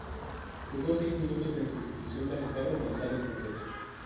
Jugó seis minutos en sustitución de Ricardo González Fonseca.